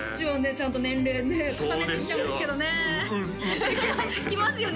ちゃんと年齢重ねてっちゃうんですけどねうっうっきますよね